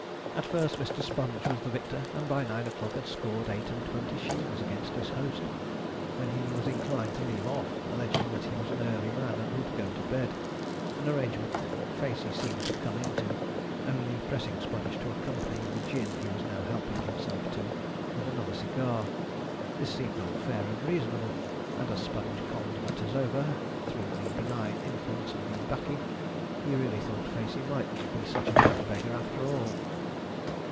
At first Mr. Sponge was the victor, and by nine o'clock had scored eight and twenty shillings against his host, when he was inclined to leave off, alleging that he was an early man, and would go to bed an arrangement that Facey seemed to come into, only pressing Sponge to accompany the gin he was now helping himself to with another cigar. This seemed all fair and reasonable; and as Sponge conned matters over, through the benign influence of the ''baccy,' he really thought Facey mightn't be such a bad beggar after all.